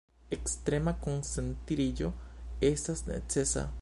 Ekstrema koncentriĝo estas necesa.